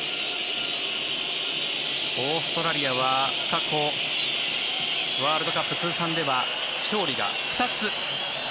オーストラリアは過去、ワールドカップ通算では勝利が２つ。